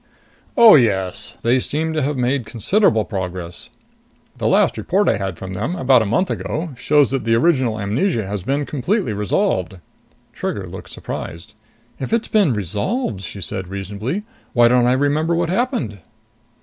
"Oh, yes. They seem to have made considerable progress. The last report I had from them about a month ago shows that the original amnesia has been completely resolved." Trigger looked surprised. "If it's been resolved," she said reasonably, "why don't I remember what happened?"